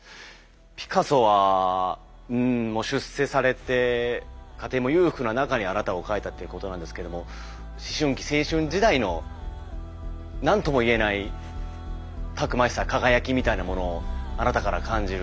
ピカソはもう出世されて家庭も裕福な中にあなたを描いたっていうことなんですけども思春期青春時代の何とも言えないたくましさ輝きみたいなものをあなたから感じる。